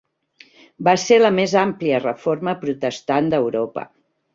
Va ser la més àmplia reforma protestant d'Europa.